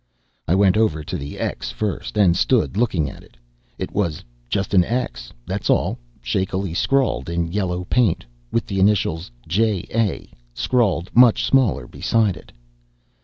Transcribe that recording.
I went over to the X first, and stood looking at it. It was just an X, that's all, shakily scrawled in yellow paint, with the initials "J A" scrawled much smaller beside it.